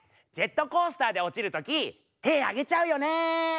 ジェットコースターで落ちる時手上げちゃうよね！